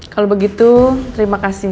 kalau begitu terima kasih